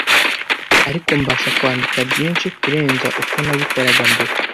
ariko mbasha kwandika byinshi kurenza uko nabikoraga mbere